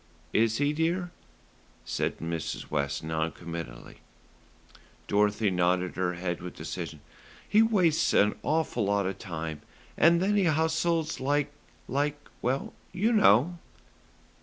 "Is he, dear?" said Mrs. West non committally. Dorothy nodded her head with decision. "He wastes an awful lot of time, and then he hustles like like well, you know."